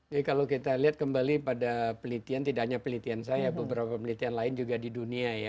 jadi kalau kita lihat kembali pada pelitian tidak hanya pelitian saya beberapa pelitian lain juga didengar